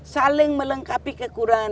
saling melengkapi kekurangan